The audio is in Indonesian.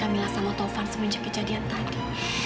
gimana ya hubungan kamila sama taufan semenjak kejadian tadi